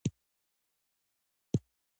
د ژوند بريا په عقل کي ده، نه په نقل کي.